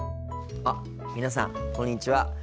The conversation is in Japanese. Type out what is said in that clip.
あっ皆さんこんにちは。